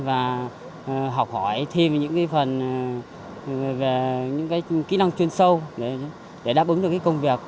và học hỏi thêm những phần về những kỹ năng chuyên sâu để đáp ứng được công việc